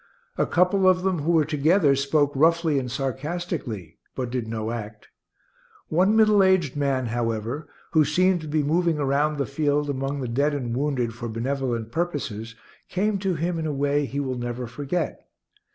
A couple of them, who were together, spoke roughly and sarcastically, but did no act. One middle aged man, however, who seemed to be moving around the field among the dead and wounded for benevolent purposes, came to him in a way he will never forget.